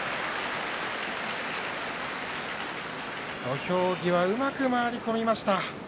土俵際うまく回り込みました。